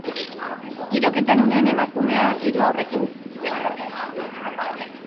Tiroketaren unean, emakumea hiru haurrekin zegoen.